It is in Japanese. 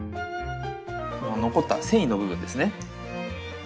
この残った繊維の部分ですね。